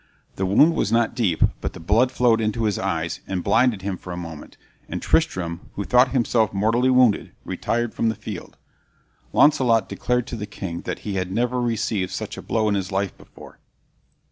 The wound was not deep, but the blood flowed into his eyes, and blinded him for a moment, and Tristram, who thought himself mortally wounded, retired from the field. Launcelot declared to the king that he had never received such a blow in his life before.